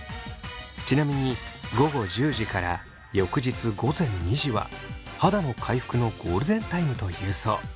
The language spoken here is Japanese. ちなみに午後１０時から翌日午前２時は肌の回復のゴールデンタイムというそう。